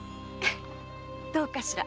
どうかしら？